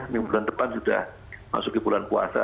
minggu bulan depan sudah masuk ke bulan puasa